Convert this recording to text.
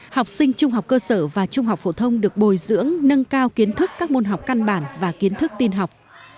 học sinh trung học cơ sở và trung học phổ thông được bồi dưỡng nâng cao kiến thức các môn học căn bản và kiến thức tin học